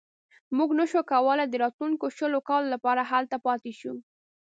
موږ نه شو کولای د راتلونکو شلو کالو لپاره هلته پاتې شو.